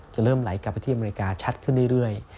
จะเริ่มไหลกลับไปที่อเมริกาชัดขึ้นเรื่อย